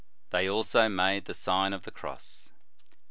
They also made the Sign of the Cross.